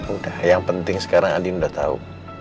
udah yang penting sekarang adi udah tahu